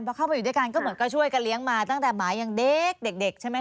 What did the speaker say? พอเข้าไปอยู่ด้วยกันก็เหมือนก็ช่วยกันเลี้ยงมาตั้งแต่หมายังเด็กใช่ไหมค